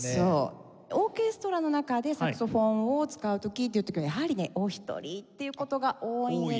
オーケストラの中でサクソフォンを使う時という時はやはりねお一人っていう事が多いんです。